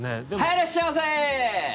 いらっしゃいませ！